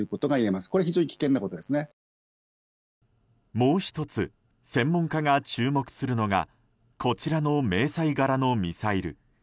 もう１つ専門家が注目するのがこちらの迷彩柄のミサイル。